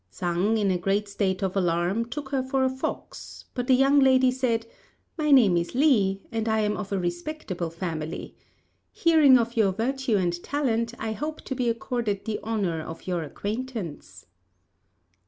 Sang, in a great state of alarm, took her for a fox; but the young lady said, "My name is Li, and I am of a respectable family. Hearing of your virtue and talent, I hope to be accorded the honour of your acquaintance."